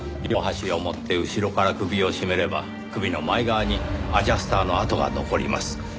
両端を持って後ろから首を絞めれば首の前側にアジャスターの痕が残ります。